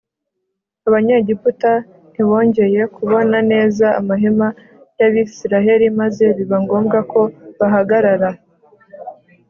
abanyegiputa ntibongeye kubona neza amahema y’abisiraheli maze biba ngombwa ko bahagarara.